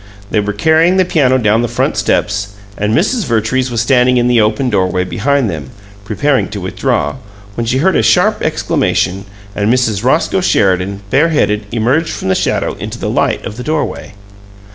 They were carrying the piano down the front steps, and Mrs. Vertrees was standing in the open doorway behind them, preparing to withdraw, when she heard a sharp exclamation; and Mrs. Roscoe Sheridan, bareheaded, emerged from the shadow into the light of the doorway.